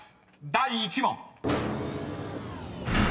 第１問］